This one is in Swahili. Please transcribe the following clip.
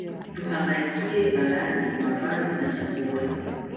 tuhangaikie malazi mavazi na chakula